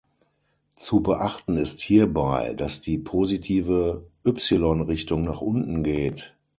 Zu beachten ist hierbei, dass die positive y-Richtung nach unten geht.